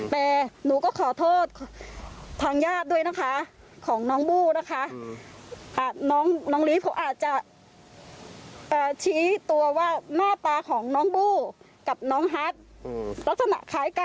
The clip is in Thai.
แต่หนูก็ขอโทษคงทางหญาดด้วยนะคะ